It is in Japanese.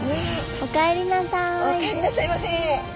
お帰りなさいませ！